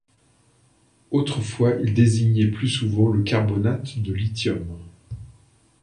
Autrefois, il désignait plus souvent le carbonate de lithium.